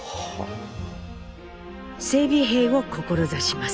整備兵を志します。